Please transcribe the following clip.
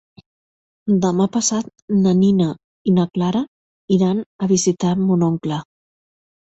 Demà passat na Nina i na Clara iran a visitar mon oncle.